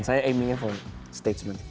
saya aimingnya for statesman